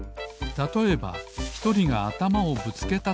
たとえばひとりがあたまをぶつけたとします